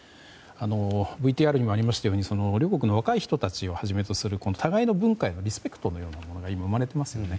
ＶＴＲにもありましたように両国の若い人たちをはじめとする互いの文化へのリスペクトのようなものが今、生まれていますよね。